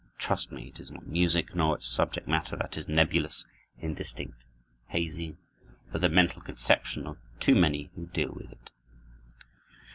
Trust me, it is not music nor its subject matter that is nebulous, indistinct, hazy; but the mental conceptions of too many who deal with it.